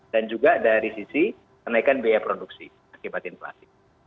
dan juga dari sisi kenaikan biaya produksi akibat inflasi